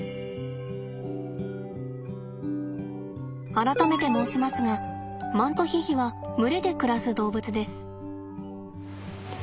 改めて申しますがマントヒヒは群れで暮らす動物です。